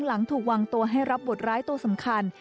หลังถูกวางตัวให้รับบทร้ายตัวสำคัญ